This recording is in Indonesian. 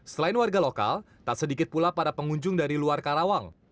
selain warga lokal tak sedikit pula para pengunjung dari luar karawang